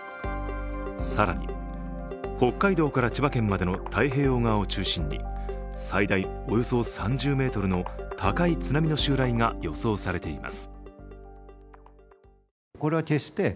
更に、北海道から千葉県までの太平洋側を中心に最大およそ３０ｍの高い津波の襲来が予想されています。